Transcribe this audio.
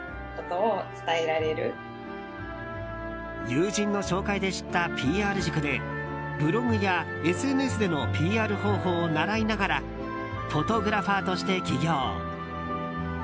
友人の紹介で知ったＰＲ塾でブログやＳＮＳでのＰＲ方法を習いながらフォトグラファーとして起業。